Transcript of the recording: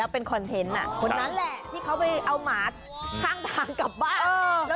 แล้วเป็นคอนเท็นต์น่ะคนนั้นแหละที่เขาไปเอาหมาท่างกลับบ้าน